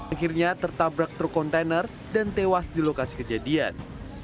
akhirnya tertabrak truk kontainer dan tewas di lokasi kejadian